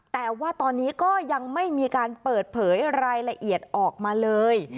แต่ว่าตอนนี้ก็ยังไม่มีการเปิดเผยรายละเอียดออกมาเลย